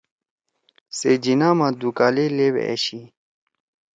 سے جناح ما دُو کالے لیؤ أشی